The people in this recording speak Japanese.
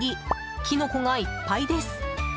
キノコがいっぱいです。